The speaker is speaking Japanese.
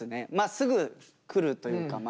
すぐ来るというか。